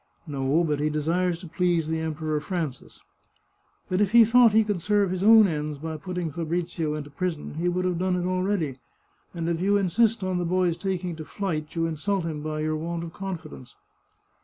" No, but he desires to please the Emperor Francis." " But if he thought he could serve his own ends by putting Fabrizio into prison, he would have done it already, and if you insist on the boy's taking to flight, you insult him by your want of confidence."